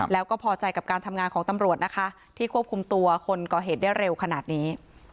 แล้วก็พอใจกับการทำงานของตำรวจนะคะที่ควบคุมตัวคนก่อเหตุได้เร็วขนาดนี้